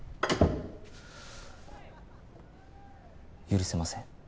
許せません。